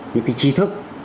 những cái chi thức